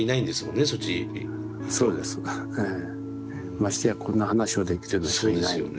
ましてやこんな話をできるような人はいないんで。